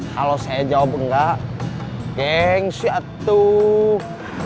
kalau saya jawab enggak geng syet tuh